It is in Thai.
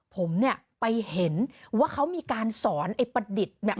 ผมเนี่ยไปเห็นว่าเขามีการสอนไอ้ประดิษฐ์เนี่ย